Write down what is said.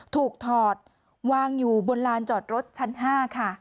ถอดวางอยู่บนลานจอดรถชั้น๕ค่ะ